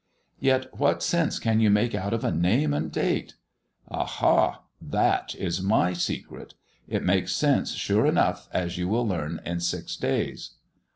"Yet what sense can you make out of a name and a date?" " Aha ! That is my secret. It makes sense sure enough as you will learn in six days."